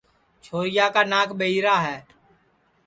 چھورِیا کا ناک ٻہیرا ہے